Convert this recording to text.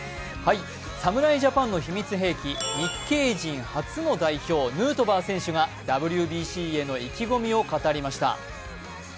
侍ジャパンの秘密兵器、日系人初の代表、ヌートバー選手がＷＢＣへの意気込みを語りました。